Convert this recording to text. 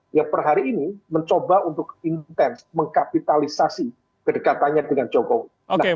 yang per hari ini mencoba untuk intens mengkapitalisasi kedekatannya dengan jokowi